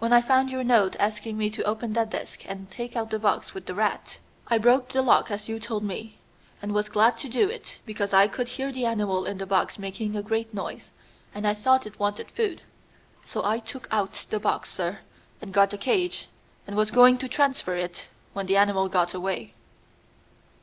When I found your note asking me to open that desk and take out the box with the rat, I broke the lock as you told me, and was glad to do it, because I could hear the animal in the box making a great noise, and I thought it wanted food. So I took out the box, sir, and got a cage, and was going to transfer it, when the animal got away."